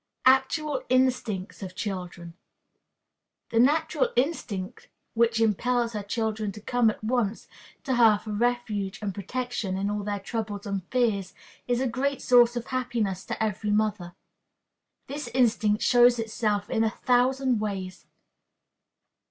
Actual Instincts of Children. The natural instinct which impels her children to come at once to her for refuge and protection in all their troubles and fears, is a great source of happiness to every mother. This instinct shows itself in a thousand ways.